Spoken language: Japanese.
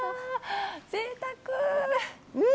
ぜいたくー。